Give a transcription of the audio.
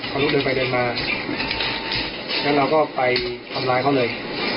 รถเดินไปเดินมาแล้วเราก็ไปทำร้ายเขาเลย